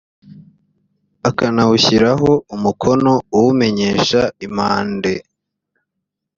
akanawushyiraho umukono awumenyesha impande